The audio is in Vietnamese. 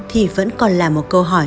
thì vẫn còn là một câu hỏi